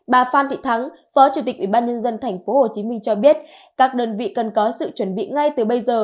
bà phan thị thắng phó chủ tịch ủy ban nhân dân thành phố hồ chí minh cho biết